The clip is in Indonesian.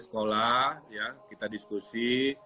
sekolah ya kita diskusi